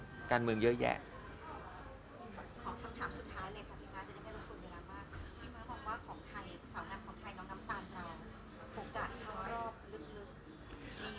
พี่ม้าบอกว่าของไทยสาวงานของไทยน้องน้ำตาลเราโอกาสเข้ารอบลึก